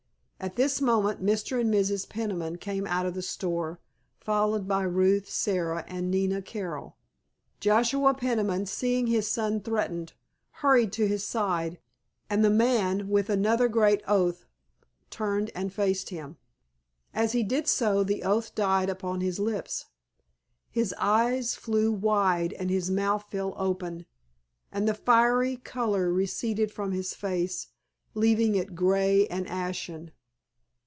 At this moment Mr. and Mrs. Peniman came out of the store, followed by Ruth, Sara, and Nina Carroll. Joshua Peniman, seeing his son threatened, hurried to his side, and the man, with another great oath, turned and faced him. As he did so the oath died on his lips, his eyes flew wide and his mouth fell open, and the fiery color receded from his face, leaving it grey and ashen.